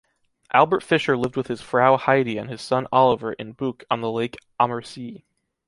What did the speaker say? Albert Fischer lived with his Frau Heidi and his son Oliver in Buch on the lake Ammersee.